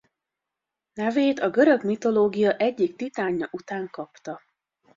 Nevét a görög mitológia egyik titánja után kapta.